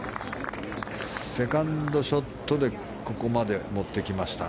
セカンドショットでここまで持ってきました。